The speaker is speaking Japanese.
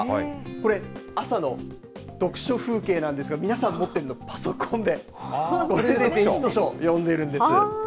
これ、朝の読書風景なんですが、皆さん持ってるのはパソコンで、これで電子図書を読んでいるんです。